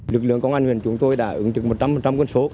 lực lượng công an huyền chúng tôi đã ứng trực một trăm linh con số